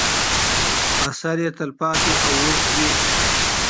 خو اثر یې تل پاتې او اوږد وي.